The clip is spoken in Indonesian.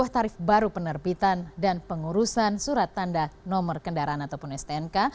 tarif baru penerbitan dan pengurusan surat tanda nomor kendaraan ataupun stnk